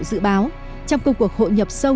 dự báo trong công cuộc hội nhập sâu